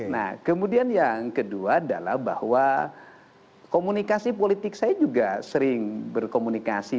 nah kemudian yang kedua adalah bahwa komunikasi politik saya juga sering berkomunikasi